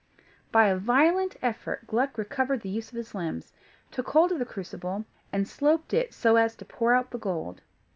By a violent effort, Gluck recovered the use of his limbs, took hold of the crucible, and sloped it so as to pour out the gold.